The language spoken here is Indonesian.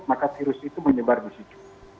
maka virus itu menyebar di situ